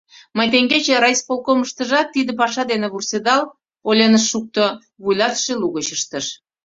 — Мый теҥгече райисполкомыштыжат тиде паша дене вурседал... — ойлен ыш шукто, вуйлатыше лугыч ыштыш: